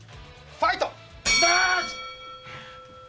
ファイト！